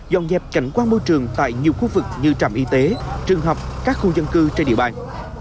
dọn dẹp cảnh quan môi trường tại nhiều khu vực như trạm y tế trường học các khu dân cư trên địa bàn